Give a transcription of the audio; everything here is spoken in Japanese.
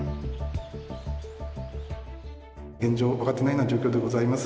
現状、分かっていない状況でございます。